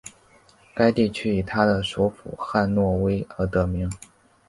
该地区以它的首府汉诺威而得名。